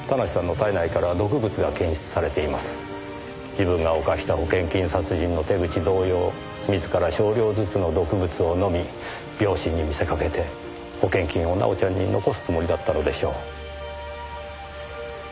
自分が犯した保険金殺人の手口同様自ら少量ずつの毒物を飲み病死に見せかけて保険金を奈緒ちゃんに残すつもりだったのでしょう。